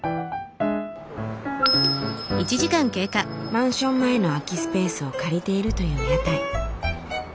マンション前の空きスペースを借りているという屋台。